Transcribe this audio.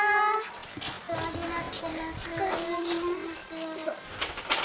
お世話になってます。